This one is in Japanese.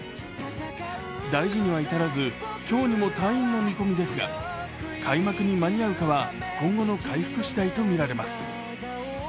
大事には至らず今日にも退院の見込みですが開幕に間に合うかは今後の回復しだいとみられます。